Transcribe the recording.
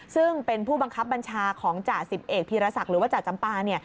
ซึ่งเป็นผู้บังคับบัญชาของจ่าสิบเอกพีรศักดิ์หรือว่าจ่าจำปา